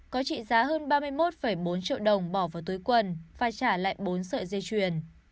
có trị giá hơn ba mươi một bốn triệu đồng bỏ vào túi quần phải trả lại bốn sợi dây chuyền